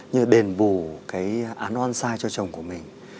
như đền bù cái án oan sai cho chồng của mình